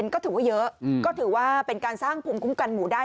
ก็ถือว่าเยอะก็ถือว่าเป็นการสร้างภูมิคุ้มกันหมู่ได้